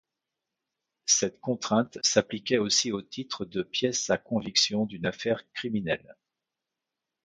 Cette contrainte s'appliquait aussi au titre de pièces à conviction d'une affaire criminelle.